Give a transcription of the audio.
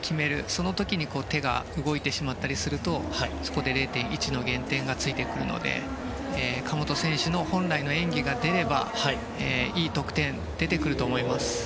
その時に手が動いてしまったりするとそこで０．１の減点がついてくるので神本選手の本来の演技が出ればいい得点が出てくると思います。